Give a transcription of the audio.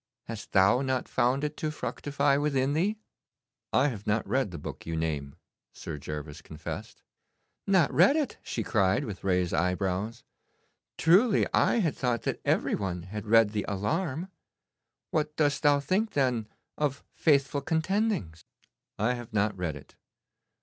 Hast thou not found it to fructify within thee?' 'I have not read the book you name,' Sir Gervas confessed. 'Not read it?' she cried, with raised eyebrows. 'Truly I had thought that every one had read the "Alarm." What dost thou think, then, of "Faithful Contendings"?' 'I have not read it.